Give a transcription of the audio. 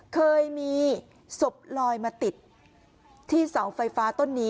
เคยมีศพลอยมาติดที่เสาไฟฟ้าต้นนี้